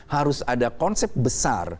harus ada konsep besar